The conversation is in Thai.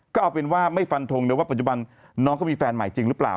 ก็เอาเป็นว่าไม่ฟันทงเลยว่าปัจจุบันน้องเขามีแฟนใหม่จริงหรือเปล่า